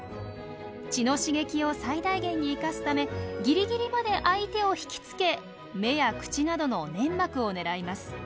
血の刺激を最大限に生かすためギリギリまで相手を引きつけ目や口などの粘膜を狙います。